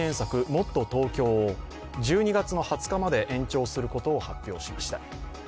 もっとＴｏｋｙｏを１２月２０日まで延長することを発表しました。